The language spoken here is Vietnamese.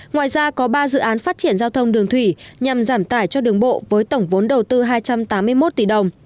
ngoài ra có ba dự án phát triển giao thông đường thủy nhằm giảm tải cho đường bộ với tổng vốn đầu tư hai trăm tám mươi một tỷ đồng